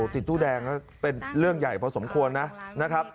ติดตู้แดงก็เป็นเรื่องใหญ่พอสมควรนะครับ